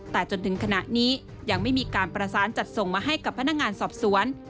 แต่จนถึงขณะนี้ยังไม่มีการประสานจัดส่งมาให้กับพนักงานสอบสวน